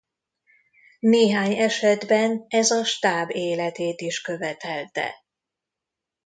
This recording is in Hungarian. Néhány esetben ez a stáb életét is követelte.